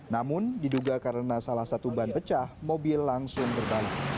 namun diduga karena salah satu ban pecah mobil langsung berbalik